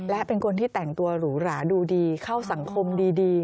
และเป็นคนที่แต่งตัวหรูหราดูดีเข้าสังคมดี